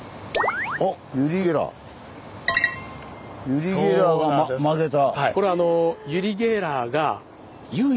ユリ・ゲラーが曲げた。